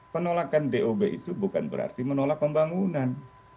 penolakan dob itu bukan berarti menolak pembangunan